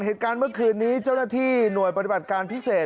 เหตุการณ์เมื่อคืนนี้เจ้าหน้าที่หน่วยปฏิบัติการพิเศษ